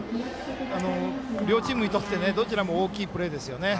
両チームにとってどちらも大きいプレーですよね。